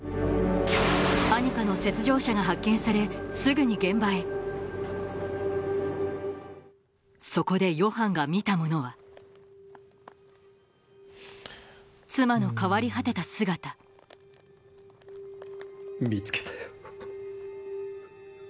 アニカの雪上車が発見されすぐに現場へそこでヨハンが見たものは妻の変わり果てた姿見つけたよ。